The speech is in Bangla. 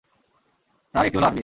তার একটি হলো আরবী।